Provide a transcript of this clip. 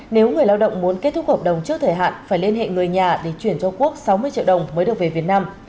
nếu người lao động muốn kết thúc hợp đồng trước thời hạn phải liên hệ người nhà để chuyển cho quốc sáu mươi triệu đồng mới được về việt nam